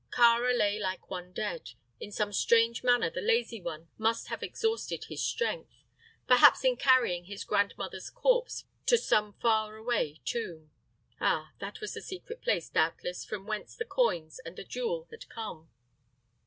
Kāra lay like one dead; in some strange manner the lazy one must have exhausted his strength perhaps in carrying his grandmother's corpse to some far away tomb. Ah, that was the secret place, doubtless, from whence the coins and the jewel had come.